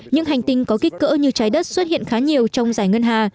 những hành tinh có kích cỡ như trái đất xuất hiện khá nhiều trong giải ngân hà